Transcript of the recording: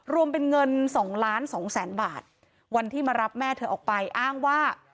รวมเป็นเงินสองล้านสองแสนบาทวันที่มารับแม่เธอออกไปอ้างว่า